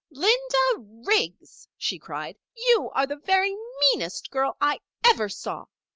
"Linda Riggs!" she cried. "You are the very meanest girl I ever saw!